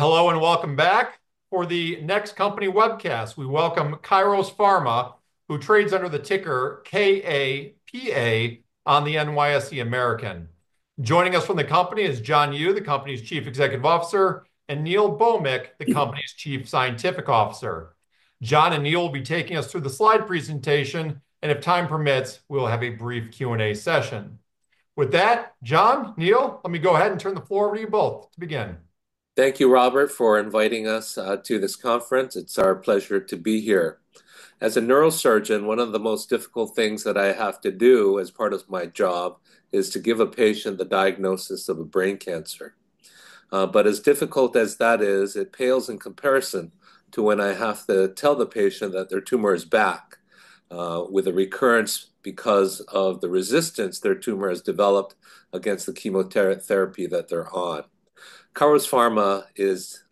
Hello and welcome back for the [Next Company webcast. We welcome Kairos Pharma, who trades under the ticker KAPA on the NYSE American. Joining us from the company is John Yu, the company's Chief Executive Officer, and Neil Bhowmick, the company's Chief Scientific Officer. John and Neil will be taking us through the slide presentation, and if time permits, we'll have a brief Q&A session. With that, John, Neil, let me go ahead and turn the floor over to you both to begin. Thank you, Robert, for inviting us to this conference. It's our pleasure to be here. As a neurosurgeon, one of the most difficult things that I have to do as part of my job is to give a patient the diagnosis of a brain cancer. But as difficult as that is, it pales in comparison to when I have to tell the patient that their tumor is back with a recurrence because of the resistance their tumor has developed against the chemotherapy that they're on. Kairos Pharma is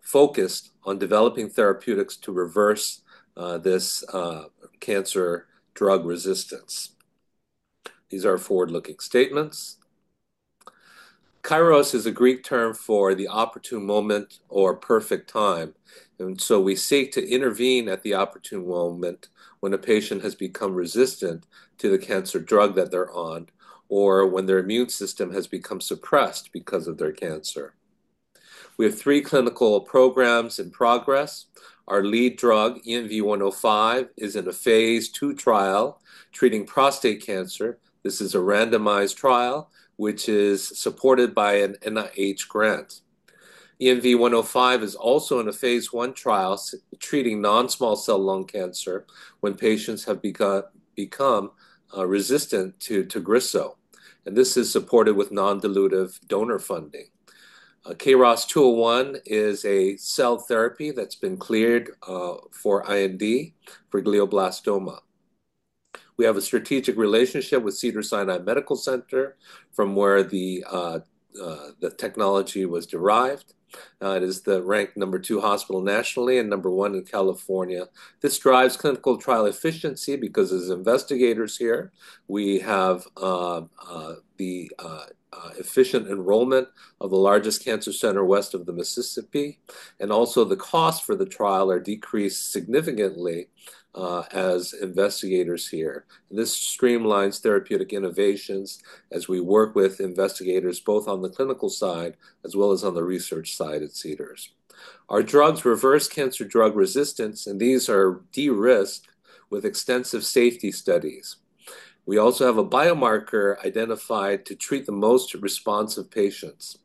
focused on developing therapeutics to reverse this cancer drug resistance. These are forward-looking statements. Kairos is a Greek term for the opportune moment or perfect time. And so we seek to intervene at the opportune moment when a patient has become resistant to the cancer drug that they're on or when their immune system has become suppressed because of their cancer. We have three clinical programs in progress. Our lead drug, ENV105, is in a phase II trial treating prostate cancer. This is a randomized trial, which is supported by an NIH grant. ENV105 is also in a phase I trial treating non-small cell lung cancer when patients have become resistant to TAGRISSO. This is supported with non-dilutive donor funding. KROS201 is a cell therapy that's been cleared for IND for glioblastoma. We have a strategic relationship with Cedars-Sinai Medical Center from where the technology was derived. It is the ranked number two hospital nationally and number one in California. This drives clinical trial efficiency because, as investigators here, we have the efficient enrollment of the largest cancer center west of Mississippi. The costs for the trial are also decreased significantly as investigators here. This streamlines therapeutic innovations as we work with investigators both on the clinical side as well as on the research side at Cedars. Our drugs reverse cancer drug resistance, and these are de-risked with extensive safety studies. We also have a biomarker identified to treat the most responsive patients.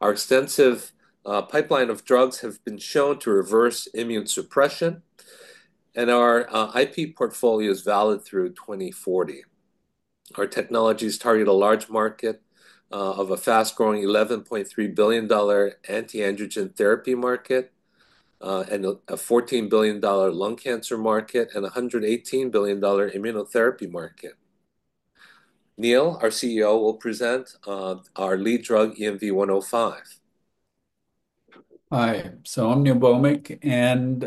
Our extensive pipeline of drugs has been shown to reverse immune suppression, and our IP portfolio is valid through 2040. Our technologies target a large market of a fast-growing $11.3 billion anti-androgen therapy market, and a $14 billion lung cancer market, and a $118 billion immunotherapy market. Neil, our CSO, will present our lead drug, ENV105. Hi. I'm Neil Bhowmick, and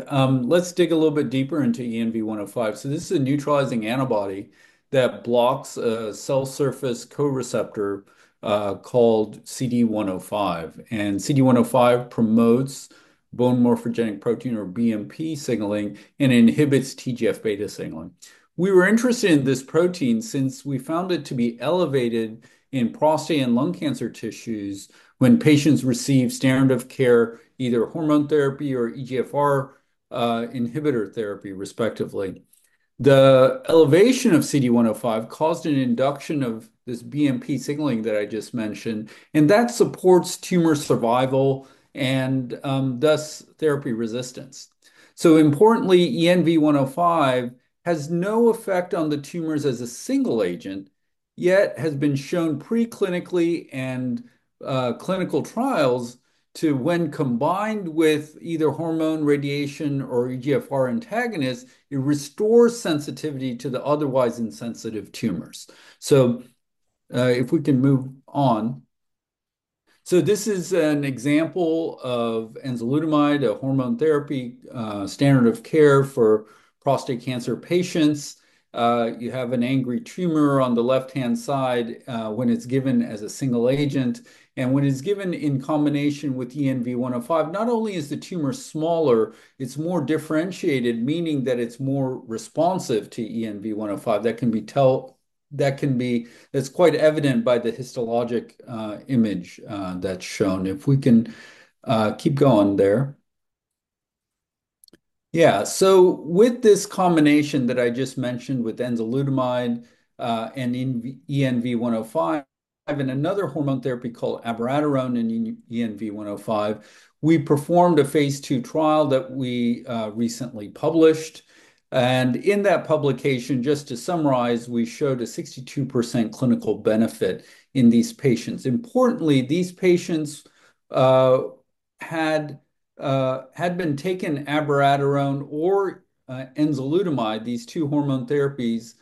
let's dig a little bit deeper into ENV105. This is a neutralizing antibody that blocks a cell surface co-receptor called CD105. CD105 promotes bone morphogenetic protein or BMP signaling and inhibits TGF-ß signaling. We were interested in this protein since we found it to be elevated in prostate and lung cancer tissues when patients receive standard of care either hormone therapy or EGFR inhibitor therapy, respectively. The elevation of CD105 caused an induction of this BMP signaling that I just mentioned, and that supports tumor survival and thus therapy resistance. Importantly, ENV105 has no effect on the tumors as a single agent, yet has been shown preclinically and in clinical trials to, when combined with either hormone therapy or radiation or EGFR antagonists, it restores sensitivity to the otherwise insensitive tumors. If we can move on. This is an example of enzalutamide, a hormone therapy standard of care for prostate cancer patients. You have an angry tumor on the left-hand side when it's given as a single agent. When it's given in combination with ENV105, not only is the tumor smaller, it's more differentiated, meaning that it's more responsive to ENV105. That's quite evident by the histologic image that's shown. If we can keep going there. With this combination that I just mentioned with enzalutamide and ENV105 and another hormone therapy called abiraterone and ENV105, we performed a phase II trial that we recently published. In that publication, just to summarize, we showed a 62% clinical benefit in these patients. Importantly, these patients had been taking abiraterone or enzalutamide, these two hormone therapies,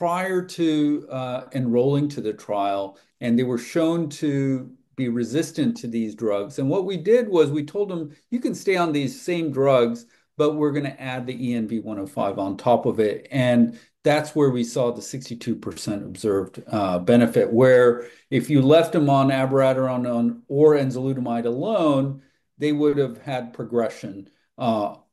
prior to enrolling to the trial, and they were shown to be resistant to these drugs. And what we did was we told them, "You can stay on these same drugs, but we're going to add the ENV105 on top of it." And that's where we saw the 62% observed benefit, where if you left them on abiraterone or enzalutamide alone, they would have had progression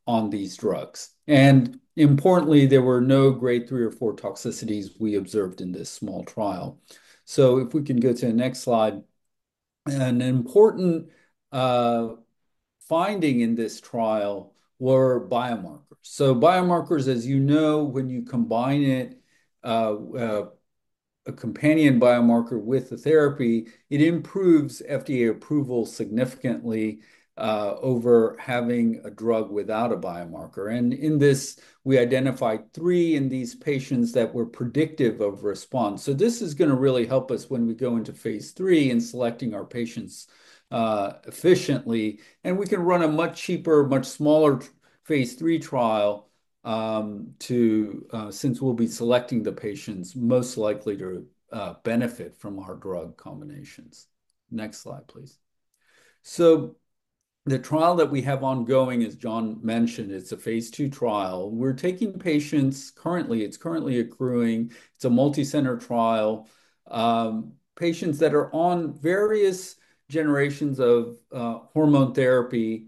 on these drugs. And importantly, there were no grade three or four toxicities we observed in this small trial. So if we can go to the next slide. An important finding in this trial were biomarkers. So biomarkers, as you know, when you combine a companion biomarker with the therapy, it improves FDA approval significantly over having a drug without a biomarker. In this, we identified three in these patients that were predictive of response. This is going to really help us when we go into phase III and selecting our patients efficiently. We can run a much cheaper, much smaller phase III trial since we'll be selecting the patients most likely to benefit from our drug combinations. Next slide, please. The trial that we have ongoing, as John mentioned, it's a phase II trial. We're taking patients. Currently it's accruing. It's a multi-center trial. Patients that are on various generations of hormone therapy,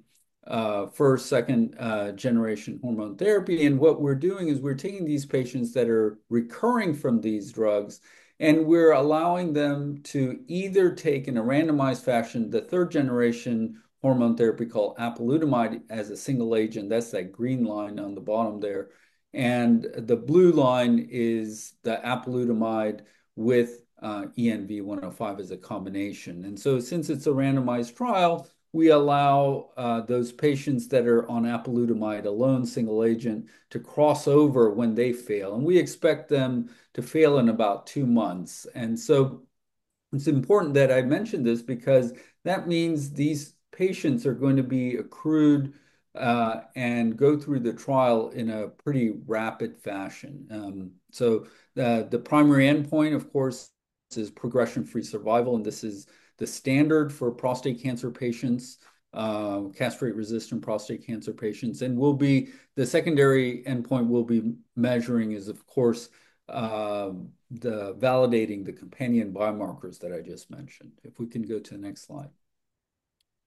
first, second generation hormone therapy. What we're doing is we're taking these patients that are recurring from these drugs, and we're allowing them to either take, in a randomized fashion, the third generation hormone therapy called apalutamide as a single agent. That's that green line on the bottom there. And the blue line is the apalutamide with ENV105 as a combination. And so since it's a randomized trial, we allow those patients that are on apalutamide alone, single agent, to cross over when they fail. And we expect them to fail in about two months. And so it's important that I mention this because that means these patients are going to be accrued and go through the trial in a pretty rapid fashion. So the primary endpoint, of course, is progression-free survival, and this is the standard for prostate cancer patients, castration-resistant prostate cancer patients. And the secondary endpoint we'll be measuring is, of course, validating the companion biomarkers that I just mentioned. If we can go to the next slide.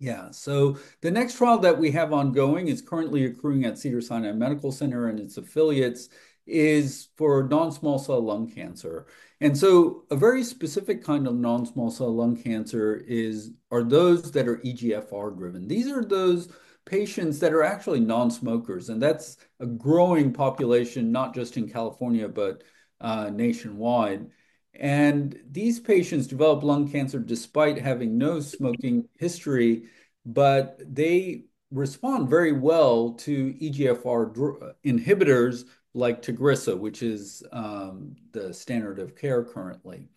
Yeah. So the next trial that we have ongoing is currently accruing at Cedars-Sinai Medical Center and its affiliates, and is for non-small cell lung cancer. A very specific kind of non-small cell lung cancer is those that are EGFR-driven. These are those patients that are actually nonsmokers. That's a growing population, not just in California, but nationwide. These patients develop lung cancer despite having no smoking history, but they respond very well to EGFR inhibitors like TAGRISSO, which is the standard of care currently.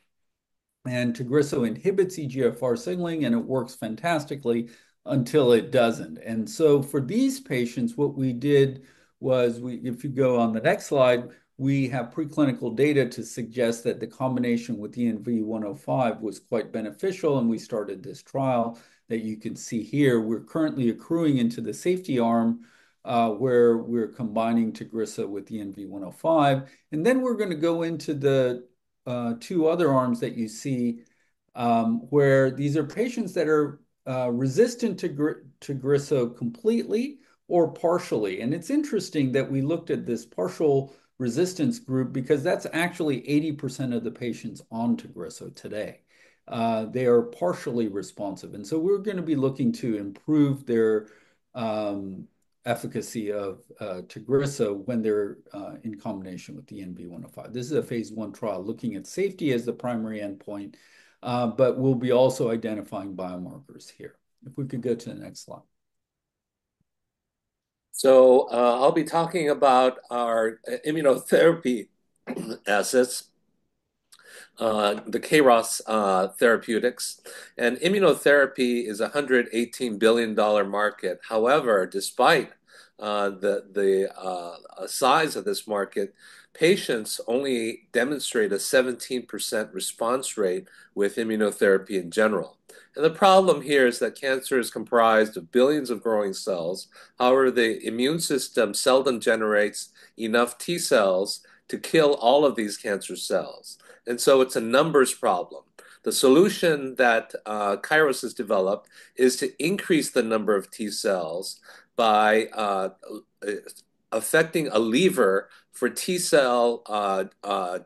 TAGRISSO inhibits EGFR signaling, and it works fantastically until it doesn't. For these patients, what we did was if you go on the next slide, we have preclinical data to suggest that the combination with ENV105 was quite beneficial, and we started this trial that you can see here. We're currently accruing into the safety arm where we're combining TAGRISSO with ENV105. And then we're going to go into the two other arms that you see where these are patients that are resistant to TAGRISSO completely or partially. And it's interesting that we looked at this partial resistance group because that's actually 80% of the patients on TAGRISSO today. They are partially responsive. And so we're going to be looking to improve their efficacy of TAGRISSO when they're in combination with ENV105. This is a phase I trial looking at safety as the primary endpoint, but we'll be also identifying biomarkers here. If we could go to the next slide. So I'll be talking about our immunotherapy assets, the Kairos Therapeutics. And immunotherapy is a $118 billion market. However, despite the size of this market, patients only demonstrate a 17% response rate with immunotherapy in general. And the problem here is that cancer is comprised of billions of growing cells. However, the immune system seldom generates enough T cells to kill all of these cancer cells. And so it's a numbers problem. The solution that Kairos has developed is to increase the number of T cells by affecting a lever for T cell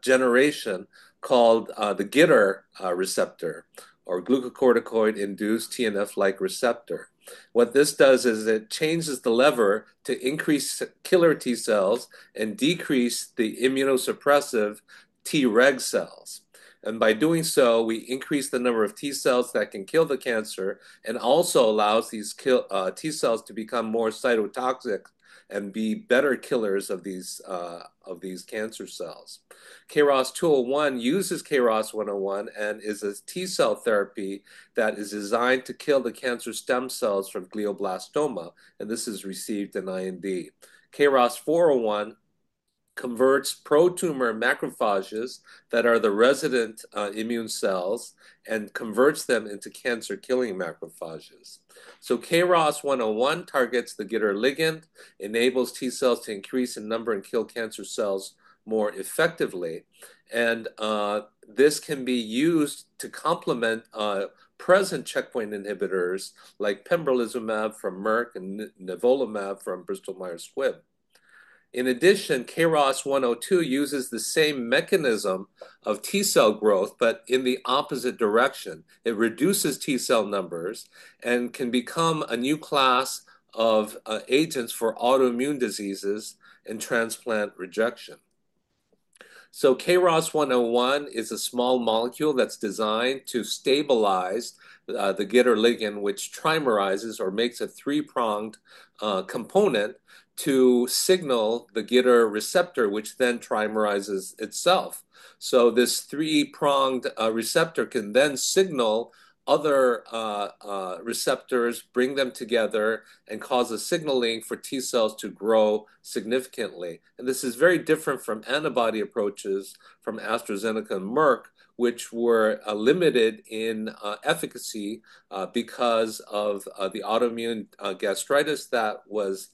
generation called the GITR receptor or glucocorticoid-induced TNFR-related receptor. What this does is it changes the lever to increase killer T cells and decrease the immunosuppressive Treg cells. And by doing so, we increase the number of T cells that can kill the cancer and also allows these T cells to become more cytotoxic and be better killers of these cancer cells. KROS201 uses KROS101 and is a T cell therapy that is designed to kill the cancer stem cells from glioblastoma. And this is received in IND. KROS401 converts pro-tumor macrophages that are the resident immune cells and converts them into cancer-killing macrophages. So KROS101 targets the GITR ligand, enables T cells to increase in number and kill cancer cells more effectively. And this can be used to complement present checkpoint inhibitors like pembrolizumab from Merck and nivolumab from Bristol-Myers Squibb. In addition, KROS102 uses the same mechanism of T cell growth, but in the opposite direction. It reduces T cell numbers and can become a new class of agents for autoimmune diseases and transplant rejection. KROS101 is a small molecule that's designed to stabilize the GITR ligand, which trimerizes or makes a three-pronged component to signal the GITR receptor, which then trimerizes itself. This three-pronged receptor can then signal other receptors, bring them together, and cause a signaling for T cells to grow significantly. This is very different from antibody approaches from AstraZeneca and Merck, which were limited in efficacy because of the autoimmune gastritis that was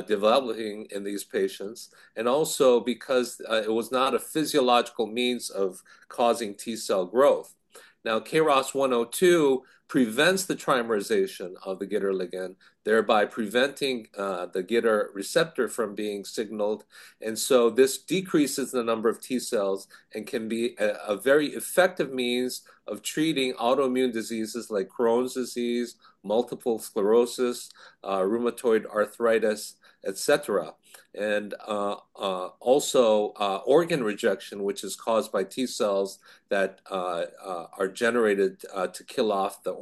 developing in these patients and also because it was not a physiological means of causing T cell growth. KROS102 prevents the trimerization of the GITR ligand, thereby preventing the GITR receptor from being signaled. This decreases the number of T cells and can be a very effective means of treating autoimmune diseases like Crohn's disease, multiple sclerosis, rheumatoid arthritis, et cetera, and also organ rejection, which is caused by T cells that are generated to kill off the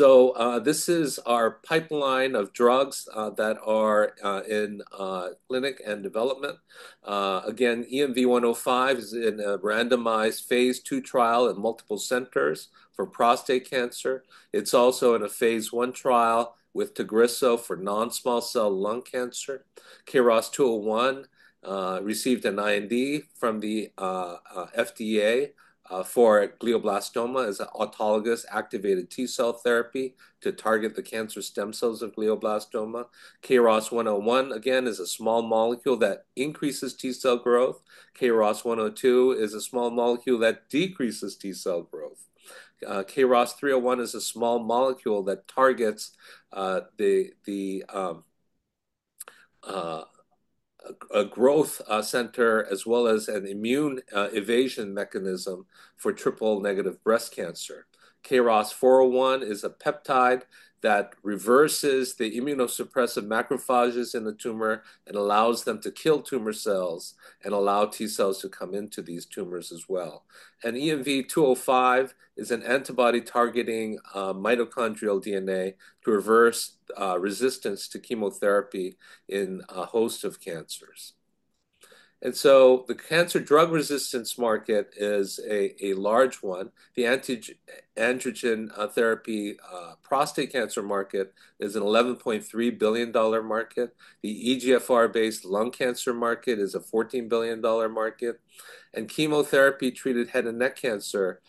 organ. This is our pipeline of drugs that are in clinic and development. Again, ENV105 is in a randomized phase II trial at multiple centers for prostate cancer. It's also in a phase I trial with TAGRISSO for non-small cell lung cancer. KROS201 received an IND from the FDA for glioblastoma as an autologous activated T cell therapy to target the cancer stem cells of glioblastoma. KROS101, again, is a small molecule that increases T cell growth. KROS102 is a small molecule that decreases T cell growth. KROS301 is a small molecule that targets a growth center as well as an immune evasion mechanism for triple-negative breast cancer. KROS401 is a peptide that reverses the immunosuppressive macrophages in the tumor and allows them to kill tumor cells and allow T cells to come into these tumors as well. And ENV-205 is an antibody targeting mitochondrial DNA to reverse resistance to chemotherapy in a host of cancers. And so the cancer drug resistance market is a large one. The androgen therapy prostate cancer market is an $11.3 billion market. The EGFR-based lung cancer market is a $14 billion market. And chemotherapy-treated head and neck cancer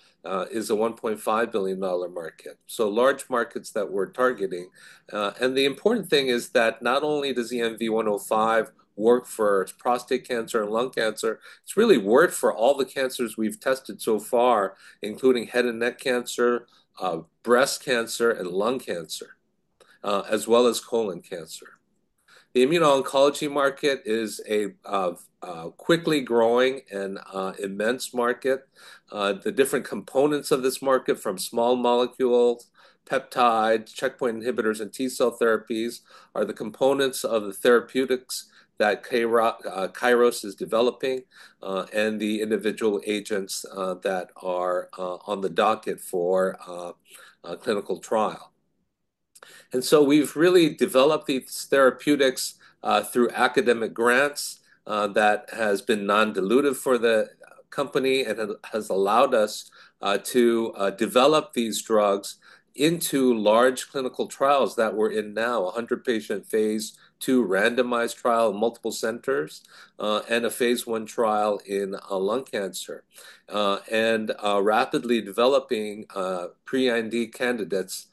is a $1.5 billion market. So large markets that we're targeting. And the important thing is that not only does ENV105 work for prostate cancer and lung cancer, it's really worked for all the cancers we've tested so far, including head and neck cancer, breast cancer, and lung cancer, as well as colon cancer. The immuno-oncology market is a quickly growing and immense market. The different components of this market, from small molecules, peptides, checkpoint inhibitors, and T cell therapies, are the components of the therapeutics that Kairos is developing and the individual agents that are on the docket for clinical trial. And so we've really developed these therapeutics through academic grants that have been non-dilutive for the company and have allowed us to develop these drugs into large clinical trials that we're in now, a 100-patient phase II randomized trial in multiple centers and a phase I trial in lung cancer, and rapidly developing pre-IND candidates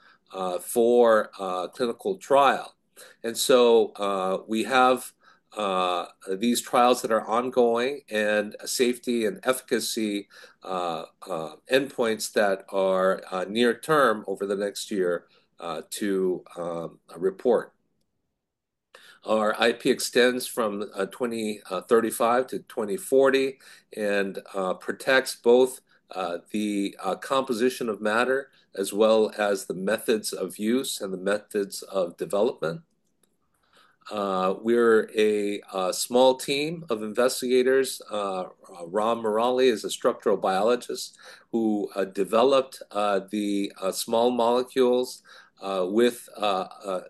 for clinical trial. And so we have these trials that are ongoing and safety and efficacy endpoints that are near term over the next year to report. Our IP extends from 2035 to 2040 and protects both the composition of matter as well as the methods of use and the methods of development. We're a small team of investigators. Ramachandran Murali is a structural biologist who developed the small molecules with a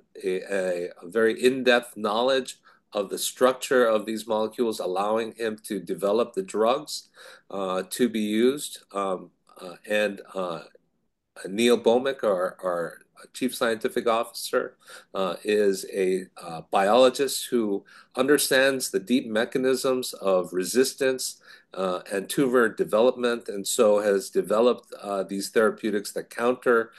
very in-depth knowledge of the structure of these molecules, allowing him to develop the drugs to be used. And Neil Bhowmick, our Chief Scientific Officer, is a biologist who understands the deep mechanisms of resistance and tumor development and so has developed these therapeutics that counter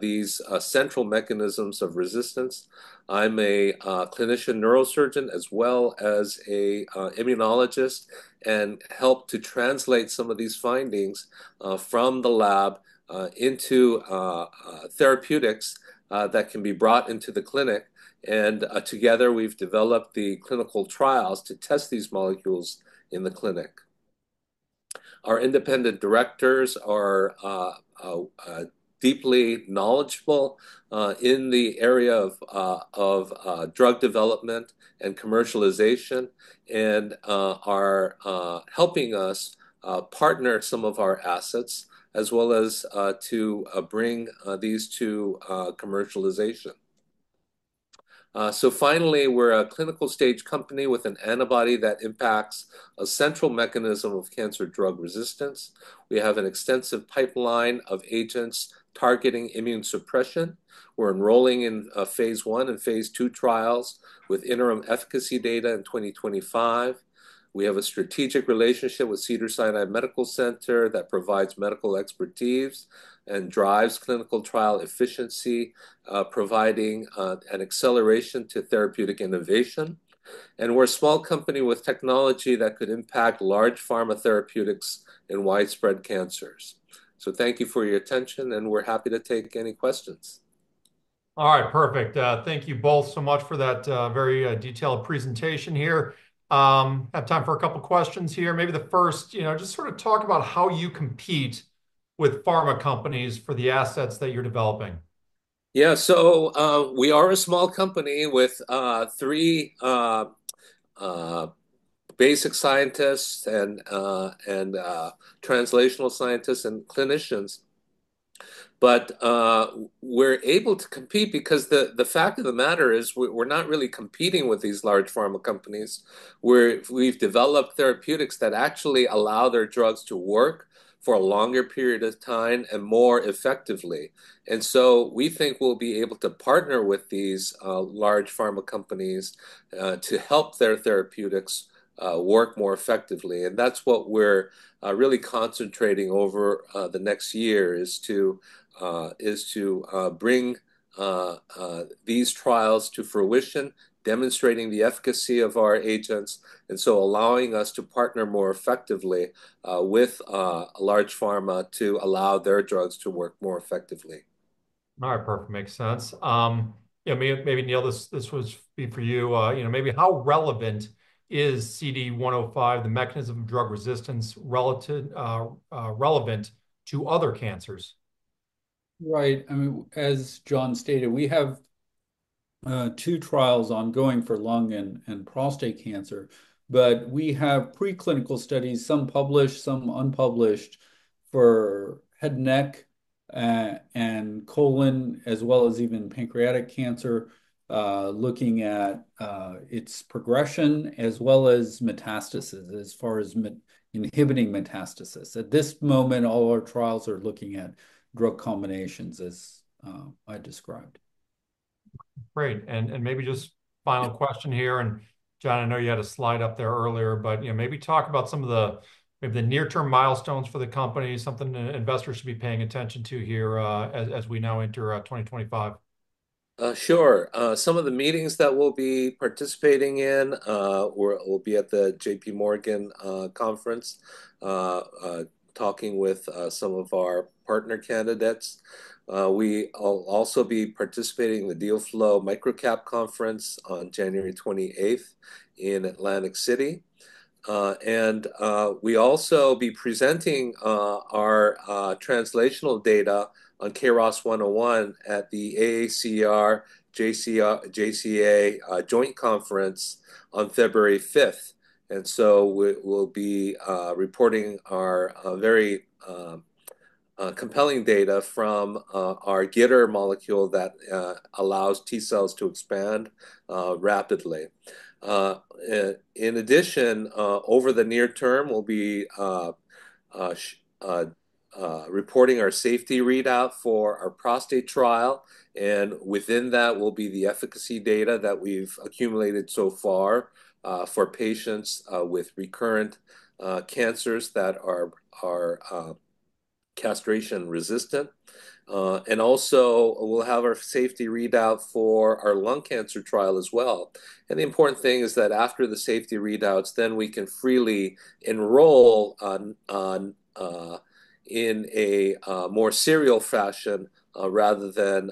these central mechanisms of resistance. I'm a clinician neurosurgeon as well as an immunologist and help to translate some of these findings from the lab into therapeutics that can be brought into the clinic. And together, we've developed the clinical trials to test these molecules in the clinic. Our independent directors are deeply knowledgeable in the area of drug development and commercialization and are helping us partner some of our assets as well as to bring these to commercialization. So finally, we're a clinical-stage company with an antibody that impacts a central mechanism of cancer drug resistance. We have an extensive pipeline of agents targeting immune suppression. We're enrolling in phase I and phase II trials with interim efficacy data in 2025. We have a strategic relationship with Cedars-Sinai Medical Center that provides medical expertise and drives clinical trial efficiency, providing an acceleration to therapeutic innovation. And we're a small company with technology that could impact large pharma therapeutics in widespread cancers. So thank you for your attention, and we're happy to take any questions. All right. Perfect. Thank you both so much for that very detailed presentation here. Have time for a couple of questions here. Maybe the first, just sort of talk about how you compete with pharma companies for the assets that you're developing? Yeah. So we are a small company with three basic scientists and translational scientists and clinicians. But we're able to compete because the fact of the matter is we're not really competing with these large pharma companies. We've developed therapeutics that actually allow their drugs to work for a longer period of time and more effectively. And so we think we'll be able to partner with these large pharma companies to help their therapeutics work more effectively. And that's what we're really concentrating over the next year is to bring these trials to fruition, demonstrating the efficacy of our agents, and so allowing us to partner more effectively with large pharma to allow their drugs to work more effectively. All right. Perfect. Makes sense. Maybe, Neil, this would be for you. Maybe how relevant is CD105, the mechanism of drug resistance, relevant to other cancers? Right. I mean, as John stated, we have two trials ongoing for lung and prostate cancer, but we have preclinical studies, some published, some unpublished, for head and neck and colon, as well as even pancreatic cancer, looking at its progression as well as metastasis as far as inhibiting metastasis. At this moment, all our trials are looking at drug combinations, as I described. Great. And maybe just final question here. And John, I know you had a slide up there earlier, but maybe talk about some of the near-term milestones for the company, something investors should be paying attention to here as we now enter 2025. Sure. Some of the meetings that we'll be participating in will be at the JPMorgan Conference, talking with some of our partner candidates. We'll also be participating in the DealFlow Microcap Conference on January 28th in Atlantic City. And we'll also be presenting our translational data on KROS101 at the AACR-JCA joint conference on February 5th. And so we'll be reporting our very compelling data from our GITR molecule that allows T cells to expand rapidly. In addition, over the near term, we'll be reporting our safety readout for our prostate trial. And within that, we'll be the efficacy data that we've accumulated so far for patients with recurrent cancers that are castration-resistant. And also, we'll have our safety readout for our lung cancer trial as well. The important thing is that after the safety readouts, then we can freely enroll in a more serial fashion rather than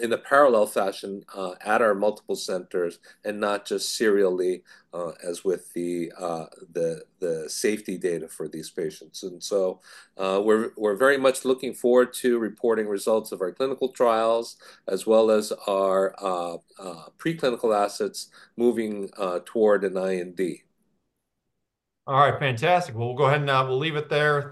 in a parallel fashion at our multiple centers and not just serially as with the safety data for these patients. So we're very much looking forward to reporting results of our clinical trials as well as our preclinical assets moving toward an IND. All right. Fantastic. Well, we'll go ahead and we'll leave it there.